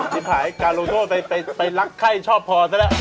สิปภายการโรโทไปรักใครชอบพอจะได้